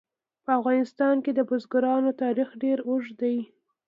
په افغانستان کې د بزګانو تاریخ ډېر اوږد دی.